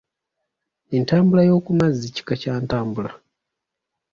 Entambula yo ku mazzi Kika Kya ntambula.